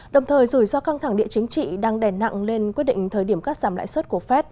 đồng thời rủi ro căng thẳng địa chính trị đang đè nặng lên quyết định thời điểm cắt giảm lãi suất của fed